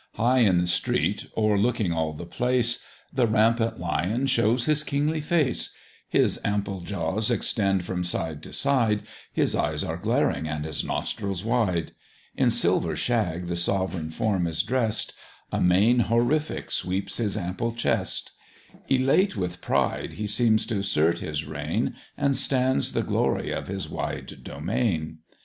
High in the street, o'erlooking all the place, The rampant Lion shows his kingly face; His ample jaws extend from side to side, His eyes are glaring, and his nostrils wide; In silver shag the sovereign form is dress'd, A mane horrific sweeps his ample chest; Elate with pride, he seems t'assert his reign, And stands the glory of his wide domain.